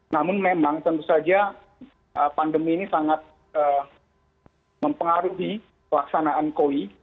namun memang tentu saja pandemi ini sangat mempengaruhi pelaksanaan koi